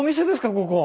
ここ。